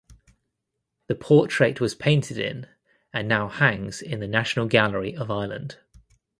The portrait was painted in and now hangs in the National Gallery of Ireland.